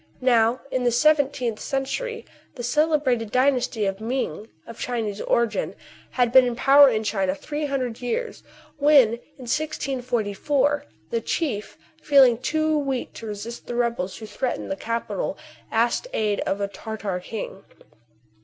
Now, 20 TRIBULATIONS OF A CHINAMAN. iii the seventeenth century, the celebrated dynasty of Ming, of Chinese origin, had_been in power in China three hundred years, when, in 1644, the chief, feeling too weak to resist the rebels who threatened the capital, asked aid of a Tartar king.